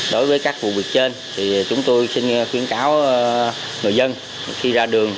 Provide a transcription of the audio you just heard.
đối với các vụ việc trên thì chúng tôi xin khuyến cáo người dân khi ra đường